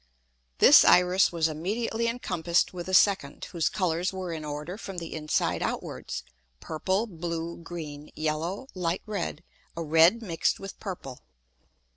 This Iris was immediately encompassed with a second, whose Colours were in order from the inside outwards, purple, blue, green, yellow, light red, a red mix'd with purple.